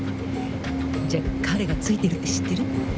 じゃあ彼がツイてるって知ってる？